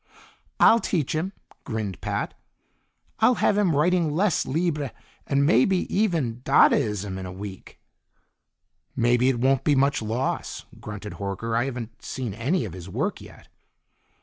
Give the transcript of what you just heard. "I'll teach him," grinned Pat. "I'll have him writing vess libre, and maybe even dadaism, in a week." "Maybe it won't be much loss," grunted Horker. "I haven't seen any of his work yet."